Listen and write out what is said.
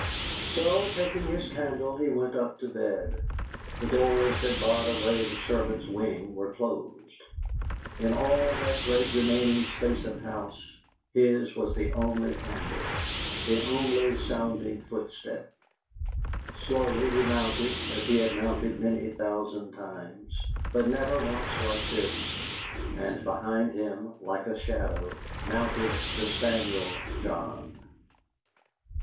So, taking his candle, he went up to bed. The doors that barred away the servants' wing were closed. In all that great remaining space of house his was the only candle, the only sounding footstep. Slowly he mounted as he had mounted many thousand times, but never once like this, and behind him, like a shadow, mounted the spaniel John.